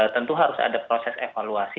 tentu harus ada proses evaluasi